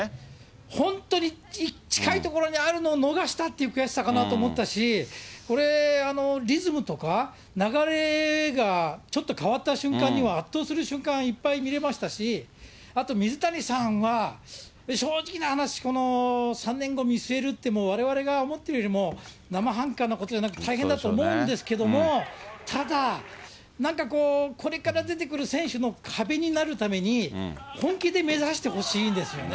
本当に近いところにあるのを逃したっていう悔しさかなと思ったし、これ、リズムとか、流れがちょっと変わった瞬間には圧倒する瞬間いっぱい見れましたし、あと水谷さんは、正直な話、この３年後を見据えると言っても、われわれが思ってるよりも生半可なことじゃなく大変だと思うんですけども、ただ、なんかこう、これから出てくる選手の壁になるために、本気で目指してほしいんですよね。